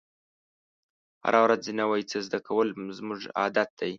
هره ورځ نوی څه زده کول زموږ عادت دی.